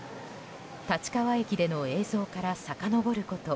立川駅での映像からさかのぼること